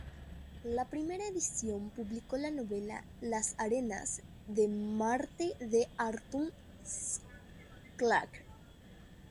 La primera edición publicó la novela Las arenas de Marte de Arthur C. Clarke.